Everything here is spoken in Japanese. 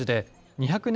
２００年